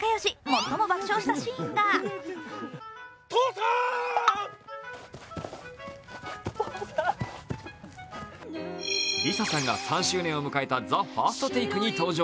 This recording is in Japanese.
最も爆笑したシーンがＬｉＳＡさんが３周年を迎えた「ＴＨＥＦＩＲＳＴＴＡＫＥ」に登場。